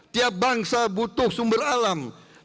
tiap bangsa butuh sumber alam